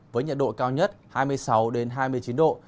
với nhiệt độ cao nhất hai mươi sáu hai mươi chín độ